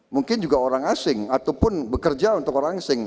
mungkin juga orang asing ataupun bekerja untuk orang asing